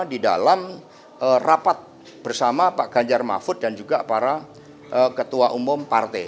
di dalam rapat bersama pak ganjar mahfud dan juga para ketua umum partai